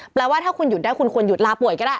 แปลว่าถ้าคุณหยุดได้คุณควรหยุดลาป่วยก็ได้